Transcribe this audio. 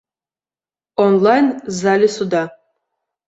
Онлайн з залі суда.